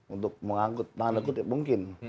untuk mengangkut menangkan angkut ya mungkin